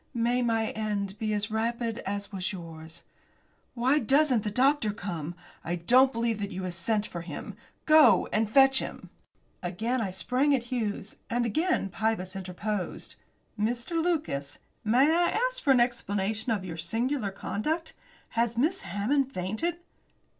May my end be as rapid as was yours. Why doesn't the doctor come? I don't believe that you have sent for him. Go and fetch him." Again I sprang at Hughes. And again Pybus interposed. "Mr. Lucas, may I ask for an explanation of your singular conduct? Has Miss Hammond fainted?"